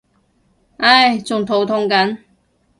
唉仲肚痛緊